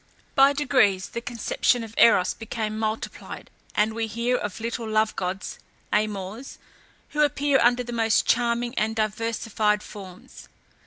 By degrees the conception of Eros became multiplied and we hear of little love gods (Amors), who appear under the most charming and diversified forms.